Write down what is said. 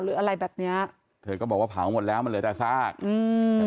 หรืออะไรแบบเนี้ยเธอก็บอกว่าเผาหมดแล้วมันเหลือแต่ซากอืม